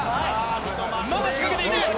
まだ仕掛けていない。